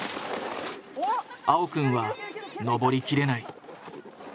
青くんは登りきれない。